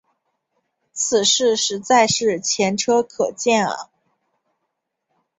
此事实在是前车可鉴啊。